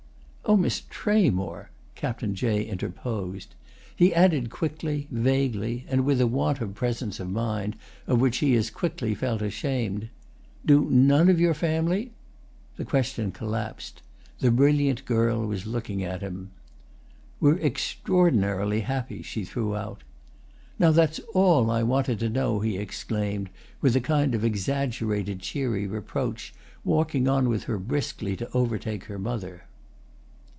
"Oh, Miss Tramore!" Captain Jay interposed. He added quickly, vaguely, and with a want of presence of mind of which he as quickly felt ashamed: "Do none of your family—?" The question collapsed; the brilliant girl was looking at him. "We're extraordinarily happy," she threw out. "Now that's all I wanted to know!" he exclaimed, with a kind of exaggerated cheery reproach, walking on with her briskly to overtake her mother.